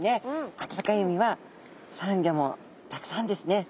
あたたかい海はサンギョもたくさんですね。